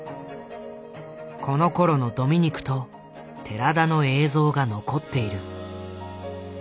このころのドミニクと寺田の映像が残っている。